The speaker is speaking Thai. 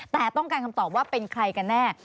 แต่ต้องการคำตอบว่าเป็นใครกันแน่